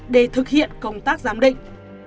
để thực hiện công tác giám định